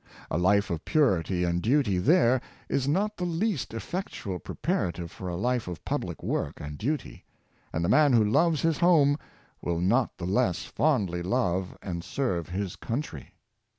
A life of purity and duty there is not the least effectual preparative for a life of public work and duty; and the man who loves his home will not the less fondly love and serve his country.